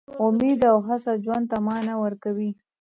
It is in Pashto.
امید او هڅه ژوند ته مانا ورکوي.